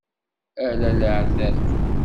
Ala leεtab.